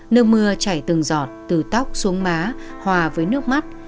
nước mưa chảy từng giọt từ tóc xuống má hòa với nước mắt